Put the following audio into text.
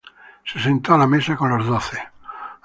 Se sentó á la mesa con los doce.